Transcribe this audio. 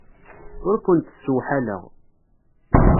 Ur kent-ssewḥaleɣ.